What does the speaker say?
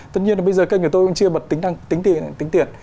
tất nhiên là bây giờ kênh của tôi cũng chưa bật tính tiền